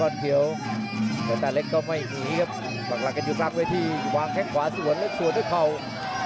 ต่อเขียวพยายามจะสวนทิ้งด้วยหมัน๑๒อีกแล้วครับ